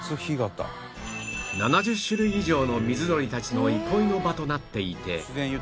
７０種類以上の水鳥たちの憩いの場となっていて